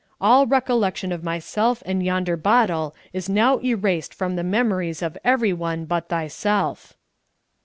"All recollection of myself and yonder bottle is now erased from the memories of every one but thyself."